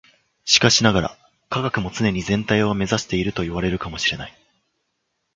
しかしながら、科学も常に全体を目指しているといわれるかも知れない。